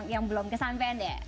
yang belum kesampean deh